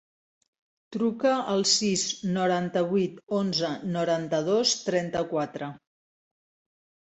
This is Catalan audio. Truca al sis, noranta-vuit, onze, noranta-dos, trenta-quatre.